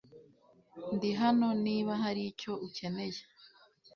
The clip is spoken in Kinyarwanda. Ndi hano niba hari icyo ukeneye .